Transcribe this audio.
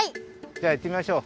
じゃあいってみましょう。